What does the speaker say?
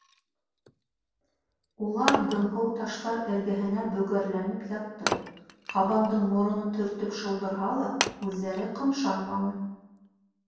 Улар дымһыу таштар эргәһенә бөгәрләнеп ятты, ҡабандың мороно төртөп шылдырһа ла, үҙҙәре ҡымшанманы.